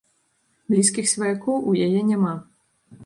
Блізкіх сваякоў у яе няма.